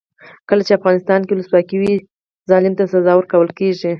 کله چې افغانستان کې ولسواکي وي ظالم ته سزا ورکول کیږي.